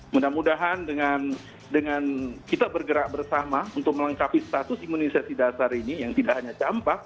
mudah mudahan dengan kita bergerak bersama untuk melengkapi status imunisasi dasar ini yang tidak hanya campak